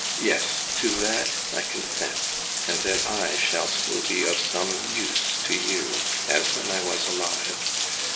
Yes, to that I consent, and then I shall still be of some use to you, as when I was alive.